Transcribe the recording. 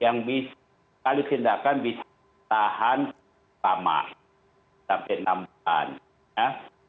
yang bisa kali tindakan bisa tahan lama sampai nambah